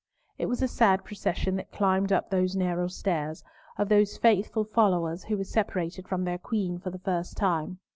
It was a sad procession that climbed up those narrow stairs, of those faithful followers who were separated from their Queen for the first time.